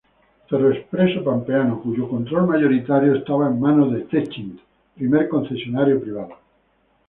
FerroExpreso Pampeano —cuyo control mayoritario estaba en manos de Techint— primer concesionario privado.